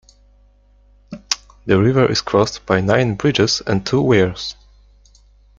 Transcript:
The river is crossed by nine bridges and two weirs.